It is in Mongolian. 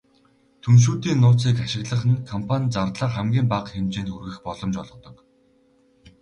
Түншүүдийн нууцыг ашиглах нь компани зардлаа хамгийн бага хэмжээнд хүргэх боломж олгодог.